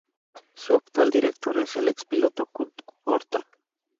Su actual director es el expiloto Kurt Horta.